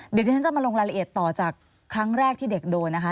เดี๋ยวที่ฉันจะมาลงรายละเอียดต่อจากครั้งแรกที่เด็กโดนนะคะ